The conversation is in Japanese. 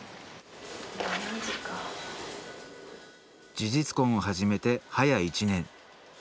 事実婚を始めて早一年。